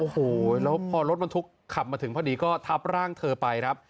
โอ้โหแล้วพอรถบรรทุกขับมาถึงพอดีก็ทับร่างเธอไปครับ